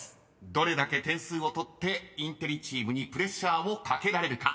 どれだけ点数を取ってインテリチームにプレッシャーをかけられるか］